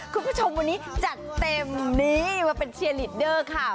คุณผู้ชมวันนี้จัดเต็มนี่มาเป็นเชียร์ลีดเดอร์ค่ะ